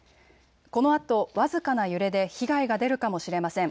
このあと僅かな揺れで被害が出るかもしれません。